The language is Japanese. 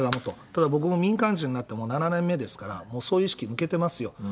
ただ僕も民間人になってもう７年目ですから、そういう意識抜けてますよ。